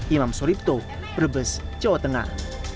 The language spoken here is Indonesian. imam suripto brebes jawa tengah